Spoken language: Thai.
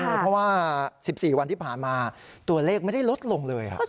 เพราะว่า๑๔วันที่ผ่านมาตัวเลขไม่ได้ลดลงเลย